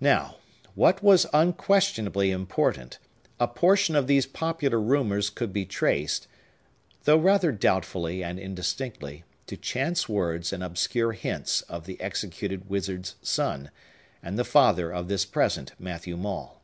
Now, what was unquestionably important, a portion of these popular rumors could be traced, though rather doubtfully and indistinctly, to chance words and obscure hints of the executed wizard's son, and the father of this present Matthew Maule.